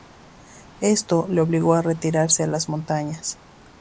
Esto le obligó a retirarse a las montañas.